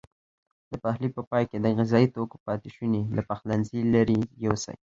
د پخلي په پای کې د غذايي توکو پاتې شونې له پخلنځي لیرې یوسئ.